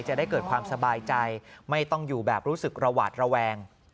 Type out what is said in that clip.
จะได้เกิดความสบายใจไม่ต้องอยู่แบบรู้สึกระหวาดระแวง